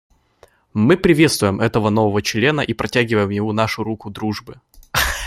Мы приветствуем этого нового члена и протягиваем ему нашу руку дружбы.